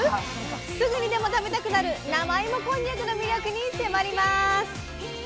すぐにでも食べたくなる生芋こんにゃくの魅力に迫ります。